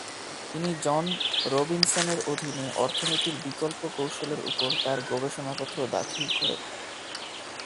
তিনি জন রবিনসনের অধীনে অর্থনীতির বিকল্প কৌশলের উপর তার গবেষণাপত্র দাখিল করেন।